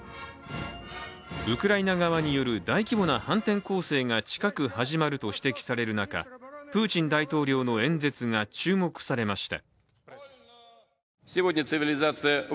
ウクライナ側による大規模な反転攻勢が近く始まると指摘される中、プーチン大統領の演説が注目されました。